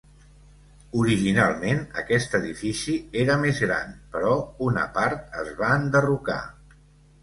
Originalment aquest edifici era més gran, però una part es va enderrocar.